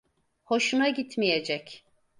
Hoşuna gitmeyecek.